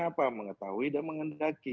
apa mengetahui dan mengendaki